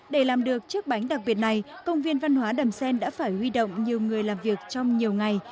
để làm được chiếc bánh đặc biệt này công viên văn hóa đầm xen đã phải huy động nhiều người làm việc trong nhiều ngày